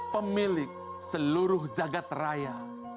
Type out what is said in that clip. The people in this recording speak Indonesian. pemilik seluruh jagad raya